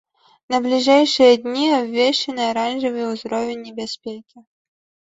На бліжэйшыя дні абвешчаны аранжавы ўзровень небяспекі.